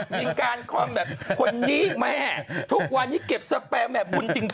มีการคอมแบบคนนี้แม่ทุกวันนี้เก็บสแปรแบบบุญจริง